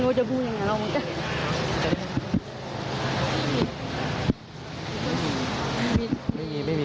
ผมยังอยากรู้ว่าว่ามันไล่ยิงคนทำไมวะ